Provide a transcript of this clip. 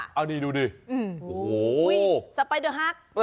ค่ะอันนี้ดูดิโอ้โหอุ๊ยสไปเดอร์ฮัก